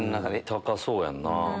高そうやんな。